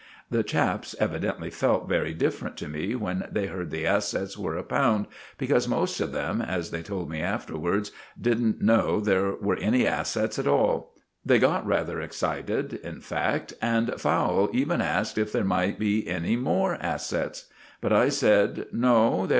The chaps evidently felt very different to me when they heard the assets were a pound, because most of them, as they told me afterwards, didn't know there were any assets at all. They got rather excited, in fact, and Fowle even asked if there might be any more assets. But I said, "No.